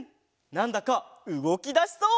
なんだかうごきだしそう！